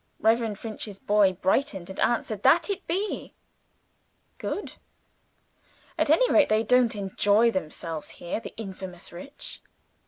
Reverend Finch's boy brightened and answered, "That it be!" Good. At any rate, they don't enjoy themselves here the infamous rich!